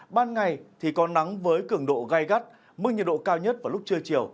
ban ngày thì có nắng với cường độ gai gắt mức nhiệt độ cao nhất vào lúc trưa chiều